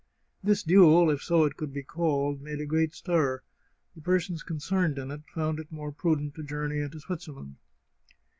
This duel, if so it could be called, made a great stir; the persons concerned in it found it more prudent to journey into Switzerland.